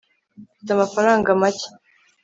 mfite amafaranga make